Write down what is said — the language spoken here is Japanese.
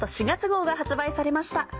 ４月号が発売されました。